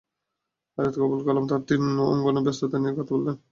আজাদ আবুল কালাম তাঁর তিন অঙ্গনের ব্যস্ততা নিয়েই কথা বললেন এবার।